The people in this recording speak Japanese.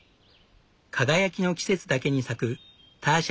輝きの季節だけに咲くターシャ